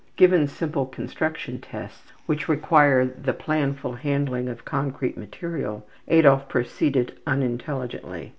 Given simple ``Construction Tests'' which required the planful handling of concrete material, Adolf proceeded unintelligently.